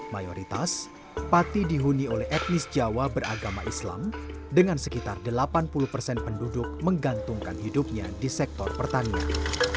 mayoritas pati dihuni oleh etnis jawa beragama islam dengan sekitar delapan puluh persen penduduk menggantungkan hidupnya di sektor pertanian